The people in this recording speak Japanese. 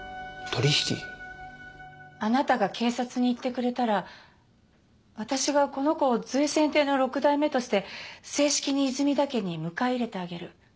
あなたが警察に行ってくれたら私がこの子を瑞泉亭の６代目として正式に泉田家に迎え入れてあげる。